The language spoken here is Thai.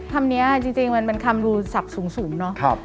คำนี้จริงมันเป็นคำดูสับสูงเนาะ